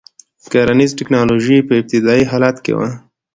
کرنیزه ټکنالوژي په ابتدايي حالت کې وه.